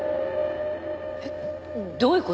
えっどういう事？